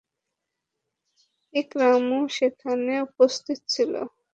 ইকরামাও সেখানে উপস্থিত ছিল।